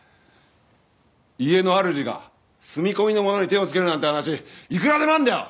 家のあるじが住み込みの者に手を付けるなんて話いくらでもあるんだよ！